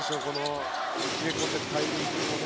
切り込んでいくタイミングもね。